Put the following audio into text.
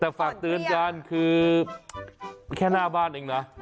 แต่ฝากเตือนกันคือแค่หน้าบ้านเองนะ